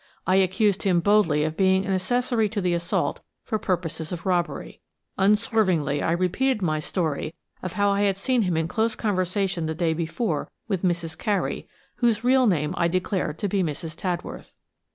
I accused him boldly of being an accessory to the assault for purposes of robbery. Unswervingly I repeated my story of how I had seen him in close conversation the day before with Mrs. Carey, whose real name I declared to be Mrs. Tadworth.